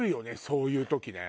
そういう時ね。